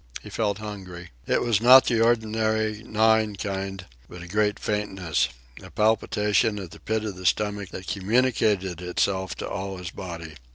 He felt hungry. It was not the ordinary, gnawing kind, but a great faintness, a palpitation at the pit of the stomach that communicated itself to all his body.